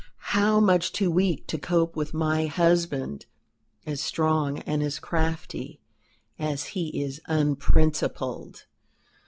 how much too weak to cope with my husband as strong and as crafty as he is unprincipled!